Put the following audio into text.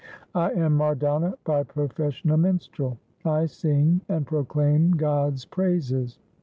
I am Mardana, by profession a minstrel. I sing and proclaim God's praises.'